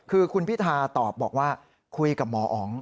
คือคุณพิธาตอบบอกว่าคุยกับหมออ๋อง